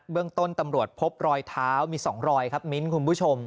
เรื่องต้นตำรวจพบรอยเท้ามี๒รอยครับมิ้นคุณผู้ชม